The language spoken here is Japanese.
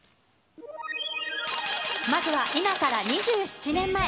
まずは今から２７年前。